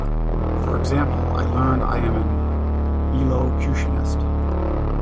For example, I learned I am an elocutionist.